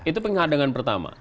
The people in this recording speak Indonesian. itu penghadangan pertama